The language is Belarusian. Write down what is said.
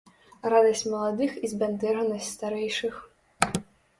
Радасць маладых і збянтэжанасць старэйшых.